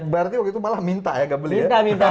berarti waktu itu malah minta ya gak beli ya